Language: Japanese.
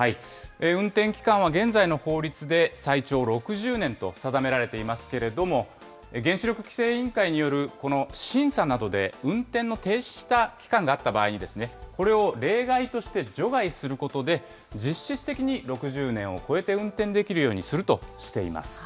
運転期間は現在の法律で最長６０年と定められていますけれども、原子力規制委員会によるこの審査などで、運転の停止した期間があった場合に、これを例外として除外することで、実質的に６０年を超えて運転できるようにするとしています。